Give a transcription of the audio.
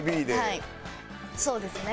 はいそうですね。